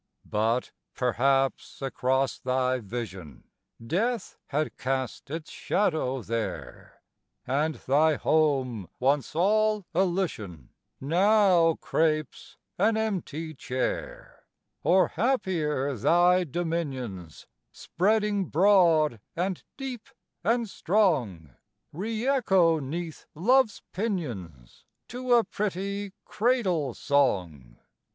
But perhaps across thy vision Death had cast its shadow there, And thy home, once all elysian, Now crapes an empty chair; Or happier, thy dominions, Spreading broad and deep and strong, Re echo 'neath love's pinions To a pretty cradle song!